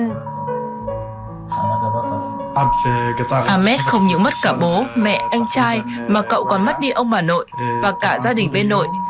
ames không những mất cả bố mẹ anh trai mà cậu còn mất đi ông bà nội và cả gia đình bên nội